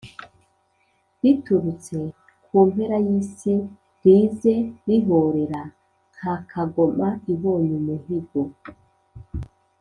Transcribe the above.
riturutse ku mpera y’isi, rize rihorera nka kagoma ibonye umuhigo,